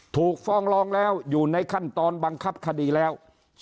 ฟองรองแล้วอยู่ในขั้นตอนบังคับคดีแล้ว